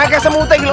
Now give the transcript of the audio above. kayak semuteng yuk